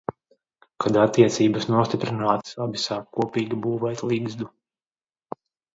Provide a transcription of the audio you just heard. Kad attiecības nostiprinātas, abi sāk kopīgi būvēt ligzdu.